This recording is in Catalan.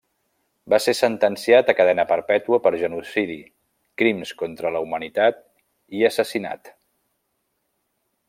Va ser sentenciat a cadena perpètua per genocidi, crims contra la humanitat i assassinat.